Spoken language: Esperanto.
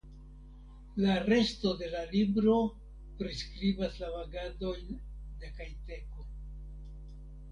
La resto de la libro priskribas la vagadojn de Kajteko.